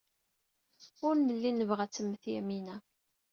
Ur nelli nebɣa ad temmet Yamina.